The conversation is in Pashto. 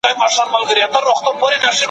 زه خپل استاد ته غوږ نیسم.